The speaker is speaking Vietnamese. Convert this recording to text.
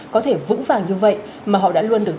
có thể vững vàng như vậy mà họ đã luôn được